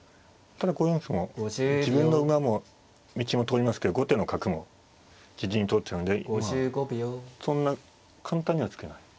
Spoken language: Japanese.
ただ５四歩も自分の馬も道も通りますけど後手の角も自陣に通ってるのでまあそんな簡単には突けない。